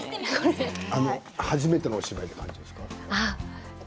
初めてのお芝居という感じですか。